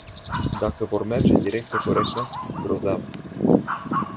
Dacă vor merge în direcția corectă, grozav.